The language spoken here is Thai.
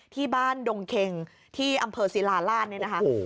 ที่บ้านดงเข็งที่อำเภอศิลาลาธน์นี่นะคะ